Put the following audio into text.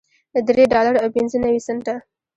درې ډالره او پنځه نوي سنټه